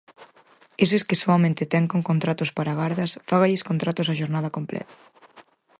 Eses que soamente ten con contratos para gardas, fágalles contratos a xornada completa.